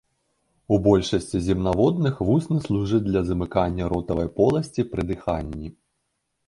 У большасці земнаводных вусны служаць для замыкання ротавай поласці пры дыханні.